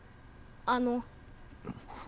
あの。